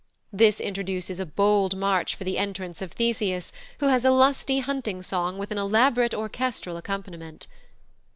This introduces a bold march for the entrance of Theseus, who has a lusty hunting song with an elaborate orchestral accompaniment.